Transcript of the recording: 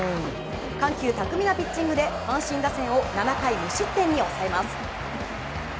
緩急巧みなピッチングで阪神打線を７回無失点に抑えます。